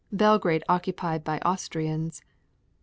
Belgrade occupied by Austrians.